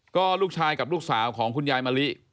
ก็ลูกชายกับลูกสาวของคุณยายมะลิ